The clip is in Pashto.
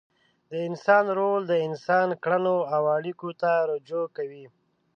د انسان رول د انسان کړنو او اړیکو ته رجوع کوي.